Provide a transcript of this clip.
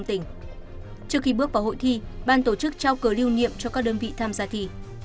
trước khi bước vào hội thi ban tổ chức trao cờ lưu niệm cho các đơn vị tham gia thi